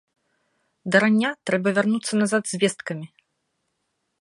Да рання трэба вярнуцца назад з весткамі.